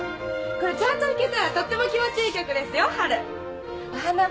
これちゃんと弾けたらとっても気持ちいい曲ですよ『春』お花畑のイメージです。